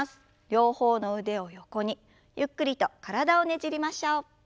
両方の腕を横にゆっくりと体をねじりましょう。